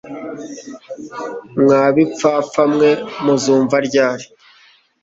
Mwa bipfapfa mwe muzumva ryari?